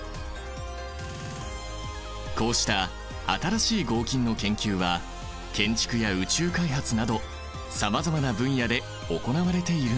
こうした新しい合金の研究は建築や宇宙開発などさまざまな分野で行われているんだ。